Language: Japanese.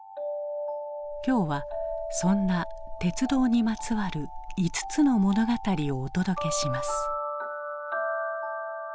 今日はそんな鉄道にまつわる５つの物語をお届けします。